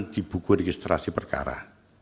di buku registrasi perkara